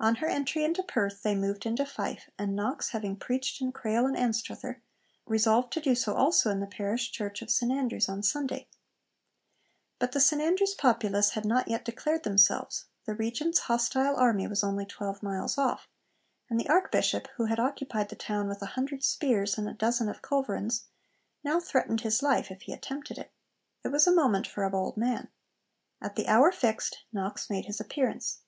On her entry into Perth they moved into Fife, and Knox having preached in Crail and Anstruther, resolved to do so also in the Parish Church of St Andrews on Sunday. But the St Andrews populace had not yet declared themselves; the Regent's hostile army was only twelve miles off; and the Archbishop who had occupied the town with a hundred spears and a dozen of culverins now threatened his life if he attempted it. It was a moment for a bold man. At the hour fixed Knox made his appearance.